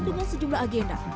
dengan sejumlah agenda